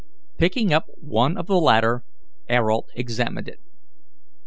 Picking up one of the latter, Ayrault examined it.